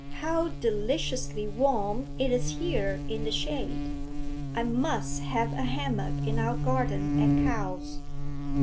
How deliciously warm it is here in the shade! I must have a hammock in our garden at Cowes.'